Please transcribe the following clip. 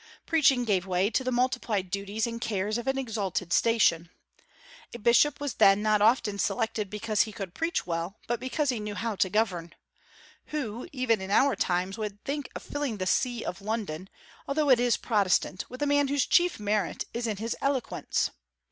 Preaching gave way to the multiplied duties and cares of an exalted station. A bishop was then not often selected because he could preach well, but because he knew how to govern. Who, even in our times, would think of filling the See of London, although it is Protestant, with a man whose chief merit is in his eloquence?